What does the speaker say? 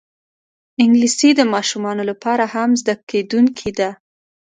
انګلیسي د ماشومانو لپاره هم زده کېدونکی ده